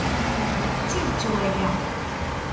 D tidet waya.